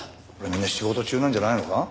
みんな仕事中なんじゃないのか？